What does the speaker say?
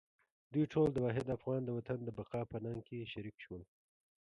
دوی ټول د واحد افغان وطن د بقا په ننګ کې شریک شول.